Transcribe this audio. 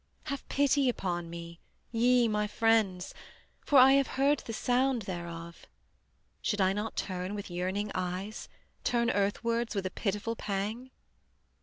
Have pity upon me, ye my friends, For I have heard the sound thereof: Should I not turn with yearning eyes, Turn earthwards with a pitiful pang?